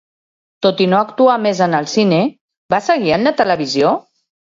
Tot i no actuar més en el cine, va seguir en la televisió?